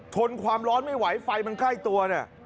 ทนความร้อนไม่ไหวไฟมันใกล้ตัวเนี่ย